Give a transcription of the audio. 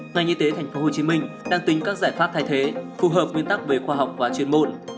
ngành y tế tp hcm đang tính các giải pháp thay thế phù hợp nguyên tắc về khoa học và chuyên môn